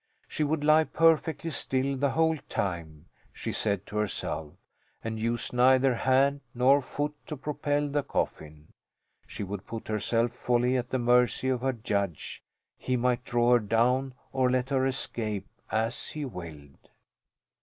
She would lie perfectly still the whole time, she said to herself, and use neither hand nor foot to propel the coffin. She would put herself wholly at the mercy of her judge; he might draw her down or let her escape as he willed.